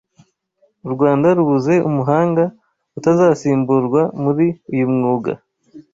u Rwanda rubuze umuhanga utazasimburwa muri uyu mwuga’